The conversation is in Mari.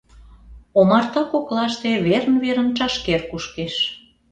Омарта коклаште верын-верын чашкер кушкеш.